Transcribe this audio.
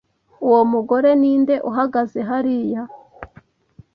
Uwo mugore ninde uhagaze hariya?